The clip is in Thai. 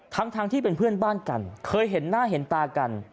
ทั้งที่เป็นเพื่อนบ้านกันเคยเห็นหน้าเห็นตากัน